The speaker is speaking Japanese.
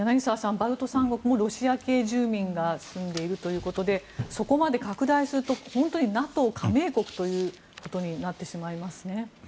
バルト三国もロシア系住民が住んでいるということでそこまで拡大すると本当にＮＡＴＯ加盟国ということになってしまいますね。